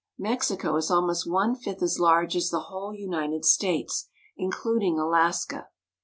Mexico is almost one fifth as large as the whole United States, including Alaska.